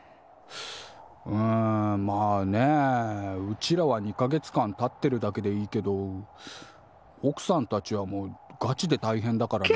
うんまあねうちらは２か月間立ってるだけでいいけどおくさんたちはもうガチでたいへんだからね。